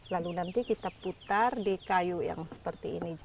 lalu nanti kita putar di kayu yang seperti ini juga